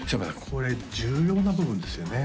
これ重要な部分ですよね？